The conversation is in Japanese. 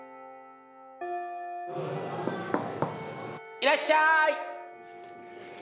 いらっしゃい！